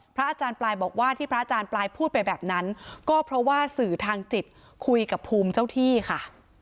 อาจารย์ปลายบอกว่าที่พระอาจารย์ปลายพูดไปแบบนั้นก็เพราะว่าสื่อทางจิตคุยกับภูมิเจ้าที่ค่ะ